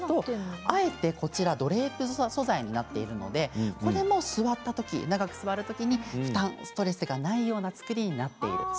あえてドレープ素材になっているので座ったとき、長く座るときにストレスがないような作りになっています。